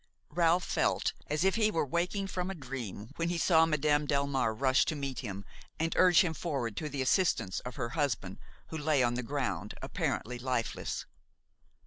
Ralph felt as if he were waking from a dream when he saw Madame Delmare rush to meet him and urge him forward to the assistance of her husband, who lay on the ground, apparently lifeless.